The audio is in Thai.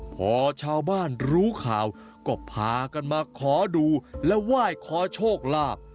พอชาวบ้านรู้ข่าวก็พากันมาขอดูและไหว้ขอโชคลาภ